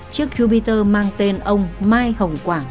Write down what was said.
chiếc jupiter mang tên ông mai hồng quảng